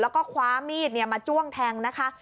แล้วก็คว้ามีดมาจ้วงแทงนะคะ